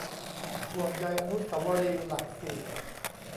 ห่วงใยอนุสาวรีย์หลักสี่